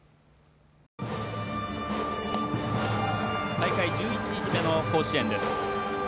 大会１１日目の甲子園です。